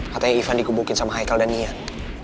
katanya ivan dikebukin sama haikal dan ian